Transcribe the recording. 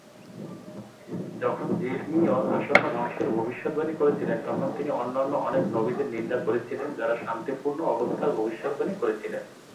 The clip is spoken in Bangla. যখন যিরমিয় আসন্ন ধ্বংসের ভবিষ্যদ্বাণী করছিলেন, তখন তিনি অন্যান্য অনেক নবীদের নিন্দা করেছিলেন যারা শান্তিপূর্ণ অবস্থার ভবিষ্যদ্বাণী করছিলেন।